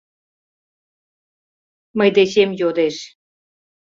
Мый дечем йодеш.